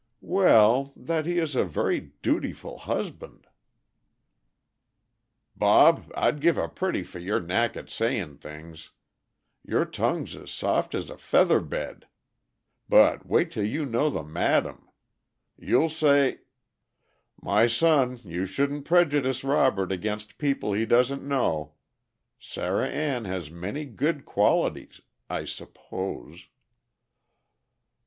"Well, that he is a very dutiful husband." "Bob, I'd give a pretty for your knack at saying things. Your tongue's as soft as a feather bed. But wait till you know the madam. You'll say " "My son, you shouldn't prejudice Robert against people he doesn't know. Sarah Ann has many good qualities I suppose."